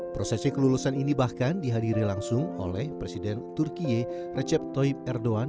prosesi kelulusan ini bahkan dihadiri langsung oleh presiden turkiye recep toyp erdogan